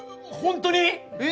えっ？